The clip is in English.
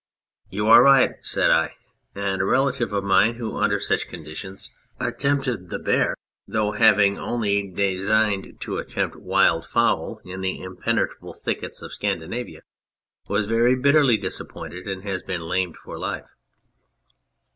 "You are right," said I, "and a relative of mine who under such conditions attempted the bear, 245 On Anything though having only designed to attempt wild fowl, in the impenetrable thickets of Scandinavia, was very bitterly disappointed and has been lamed for life."